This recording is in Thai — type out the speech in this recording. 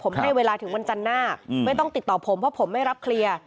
ผมให้เวลาถึงวันจันทร์หน้าไม่ต้องติดต่อผมเพราะผมไม่รับเคลียร์